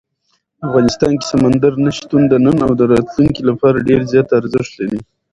افغانستان کې سمندر نه شتون د نن او راتلونکي لپاره ډېر زیات ارزښت لري.